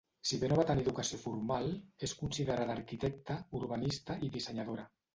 Si bé no va tenir educació formal, és considerada arquitecta, urbanista i dissenyadora.